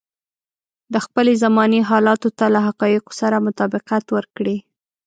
د خپلې زمانې حالاتو ته له حقايقو سره مطابقت ورکړي.